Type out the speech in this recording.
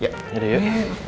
ya yaudah yuk